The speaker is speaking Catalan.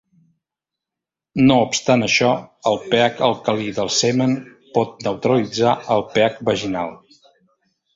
No obstant això, el pH alcalí del semen pot neutralitzar el pH vaginal.